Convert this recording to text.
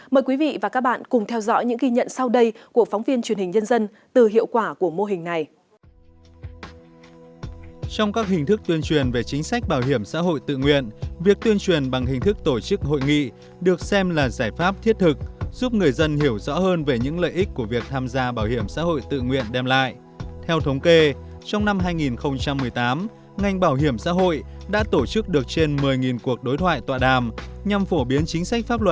mời quý vị và các bạn cùng theo dõi những ghi nhận sau đây của phóng viên truyền hình nhân dân từ hiệu quả của mô hình này